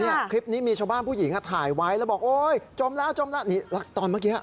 คลิปนี้มีชาวบ้านผู้หญิงถ่ายไว้แล้วบอกโอ๊ยจมแล้วจมแล้วนี่ตอนเมื่อกี้